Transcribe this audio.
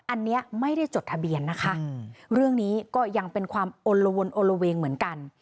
อันนี้ไม่ได้จดทะเบียนนะคะเรื่องนี้ก็ยังเป็นความอลละวนโอละเวงเหมือนกัน